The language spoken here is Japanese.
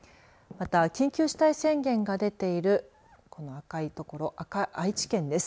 また、緊急事態宣言が出ているこの赤いところ愛知県です。